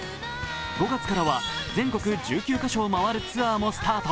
５月からは全国１９か所を回るツアーもスタート。